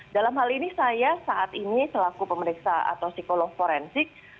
dalam hal ini saya saat ini selaku pemeriksa atau psikolog forensik